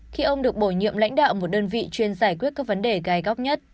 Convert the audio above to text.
khi ông được bổ nhiệm lãnh đạo một đơn vị chuyên giải quyết các vấn đề gai góc nhất